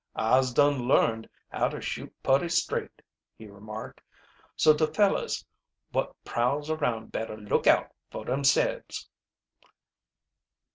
"I'se dun learned how to shoot putty straight," he remarked. "So de fellers wot prowls around bettah look out fo' demselbes."